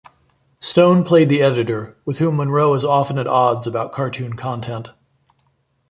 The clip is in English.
Stone played the editor, with whom Monroe is often at odds about cartoon content.